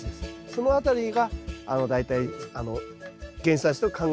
その辺りが大体原産地と考えられている例が多いですね。